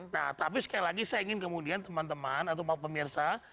nah tapi sekali lagi saya ingin kemudian teman teman atau pemirsa